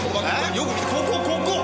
よく見てここここ！